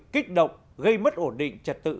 kích động gây mất ổn định trật tự